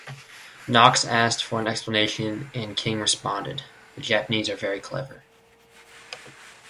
Knox asked for an explanation and King responded, The Japanese are very clever.